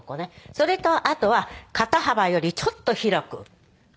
それとあとは肩幅よりちょっと広く。